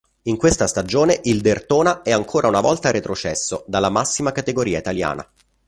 In questa stagione il Derthona è ancora una volta retrocesso dalla massima categoria italiana.